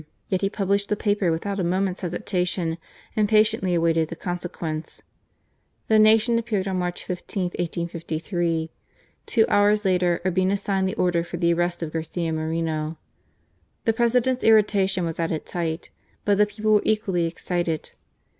Yet he published the paper without a moment's hesitation and patiently awaited the consequence. The Nacion appeared on March 15, 1853. Two hours later Urbina signed the order for the arrest of Garcia Moreno. The President's irritation was at its height, but the people were equally excited.